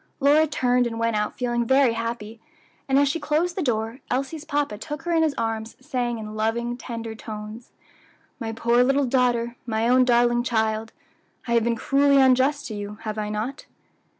Lora turned and went out feeling very happy, and as she closed the door, Elsie's papa took her in his arms, saying in loving, tender tones, "My poor little daughter! my own darling child! I have been cruelly unjust to you, have I not?"